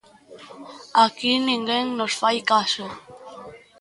Aquí ninguén nos fai caso.